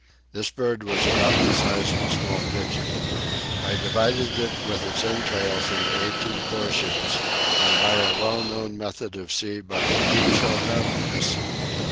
This bird was about the size of a small pigeon. I divided it with its entrails into 18 portions, and by a well known method at sea of Who shall have this?